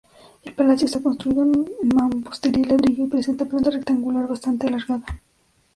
El palacio está construido en mampostería y ladrillo y presenta planta rectangular bastante alargada.